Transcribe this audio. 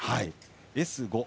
Ｓ５。